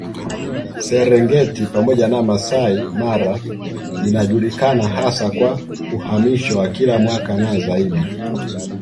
Serengeti pamoja na Masai Mara inajulikana hasa kwa uhamisho wa kila mwaka na zaidi